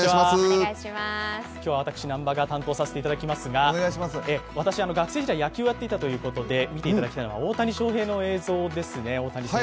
今日は私、南波が担当させていただきますが私、学生時代野球をやっていたということで、見ていただきたいのは大谷翔平選手の映像ですね。